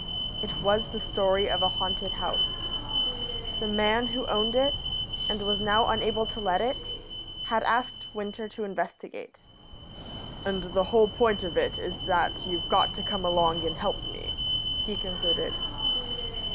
It was the story of a haunted house. The man who owned it, and was now unable to let it, had asked Winter to investigate. "And the whole point of it is that you've got to come along and help me," he concluded.